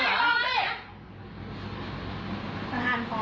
ไม่ใช่พี่นะ